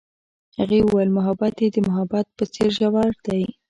هغې وویل محبت یې د محبت په څېر ژور دی.